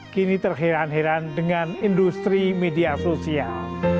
kini terheran heran dengan industri media sosial